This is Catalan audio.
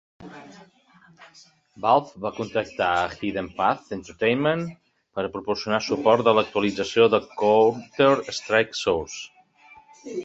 Valve va contractar a Hidden Path Entertainment per a proporcionar suport en l'actualització de "Counter-Strike: Source".